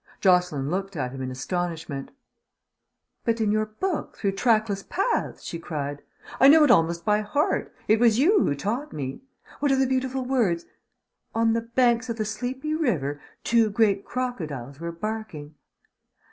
Jocelyn looked at him in astonishment. "But in your book, Through Trackless Paths!" she cried. "I know it almost by heart. It was you who taught me. What are the beautiful words? 'On the banks of the sleepy river two great crocodiles were barking.'"